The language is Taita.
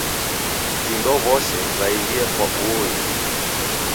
V'indo w'ose w'aelie kwa uo uelie